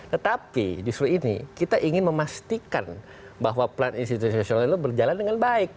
tetapi justru ini kita ingin memastikan bahwa plan institusi sosial itu berjalan dengan baik